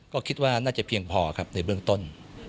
ก็คิดว่าน่าจะเพียงพอครับในเบื้องต้น